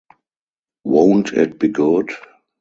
Won't it be good!